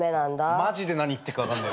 マジで何言ってっか分かんねえ。